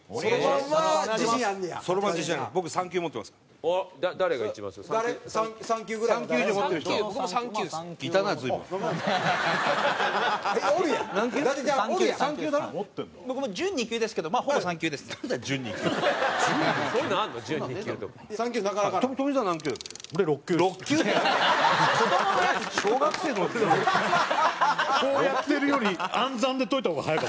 こうやってるより暗算で解いた方が速かった。